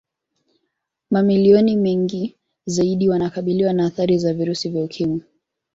Mamilioni mengi zaidi wanakabiliwa na athari za virusi vya Ukimwi